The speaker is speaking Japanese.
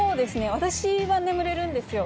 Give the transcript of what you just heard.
私は眠れるんですよ。